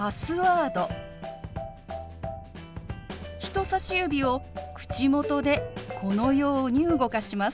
人さし指を口元でこのように動かします。